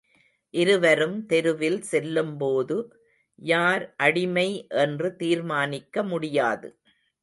இருவரும் தெருவில் செல்லும்போது, யார் அடிமை என்று தீர்மானிக்க முடியாது.